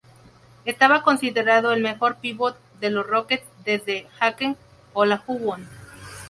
Estaba considerado el mejor pívot de los Rockets desde Hakeem Olajuwon.